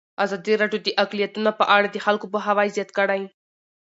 ازادي راډیو د اقلیتونه په اړه د خلکو پوهاوی زیات کړی.